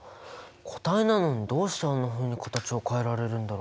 固体なのにどうしてあんなふうに形を変えられるんだろう？